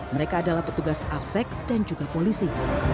mereka adalah petugas afsek dan juga polisi